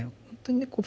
本当にね